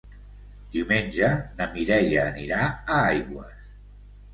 Diumenge na Mireia anirà a Aigües.